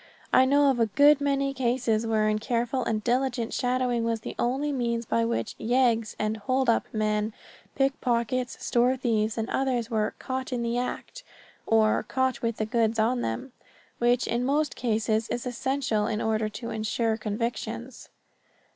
I know of a good many cases wherein careful and diligent shadowing was the only means by which "yeggs," "hold up" men, pickpockets, store thieves and others were "caught in the act" or "caught with the goods on them," which in most cases is essential in order to insure convictions.